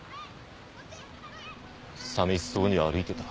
寂しそうに歩いてた。